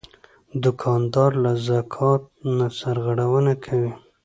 دوکاندار له زکات نه سرغړونه نه کوي.